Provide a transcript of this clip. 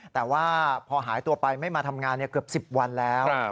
แต่ว่าพอหายตัวไปไม่มาทำงานเกือบ๑๐วันแล้ว